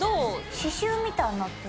刺しゅうみたいになってる。